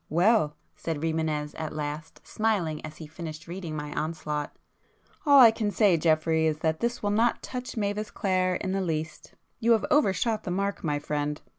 "Well," said Rimânez at last, smiling as he finished reading my onslaught—"all I can say Geoffrey, is that this will not touch Mavis Clare in the least. You have overshot the mark, my friend!